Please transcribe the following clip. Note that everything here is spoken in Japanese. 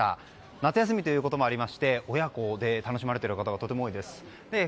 夏休みということもありまして親子で楽しまれている方がとても多いです。